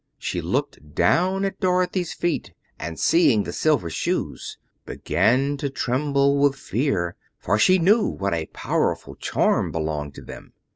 She looked down at Dorothy's feet, and seeing the Silver Shoes, began to tremble with fear, for she knew what a powerful charm belonged to them.